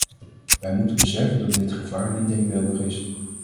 Wij moeten beseffen dat dit gevaar niet denkbeeldig is.